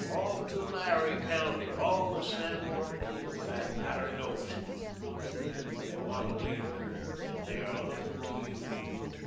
All Tulare County, all the San Joaquin, for that matter, knows you. They want a leader, and they are looking to you.